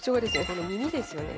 この耳ですよね